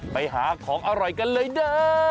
ไปหาของอร่อยกันเลยเด้อ